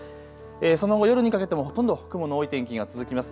その後、夜にかけてもほとんど雲の多い天気が続きます。